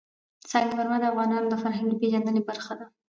سنگ مرمر د افغانانو د فرهنګي پیژندنې برخه ده.